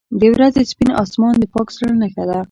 • د ورځې سپین آسمان د پاک زړه نښه ده.